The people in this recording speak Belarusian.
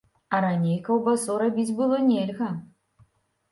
Але раней каўбасу рабіць было нельга.